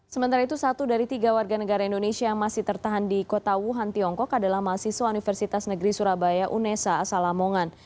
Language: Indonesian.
sementara itu satu dari tiga warga negara indonesia yang masih tertahan di kota wuhan tiongkok adalah mahasiswa universitas negeri surabaya unesa asal lamongan